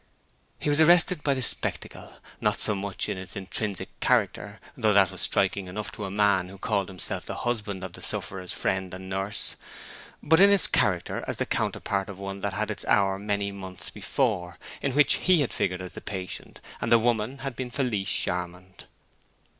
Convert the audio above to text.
He was arrested by the spectacle, not so much in its intrinsic character—though that was striking enough to a man who called himself the husband of the sufferer's friend and nurse—but in its character as the counterpart of one that had its hour many months before, in which he had figured as the patient, and the woman had been Felice Charmond.